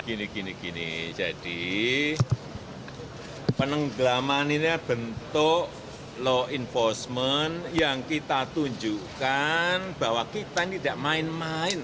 gini gini jadi penenggelaman ini adalah bentuk law enforcement yang kita tunjukkan bahwa kita ini tidak main main